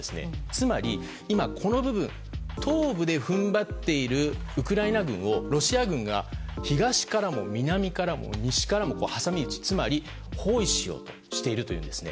つまり、今、東部で踏ん張っているウクライナ軍をロシア軍が東からも南からも西からも挟み撃ちつまり、包囲しようとしているというんです。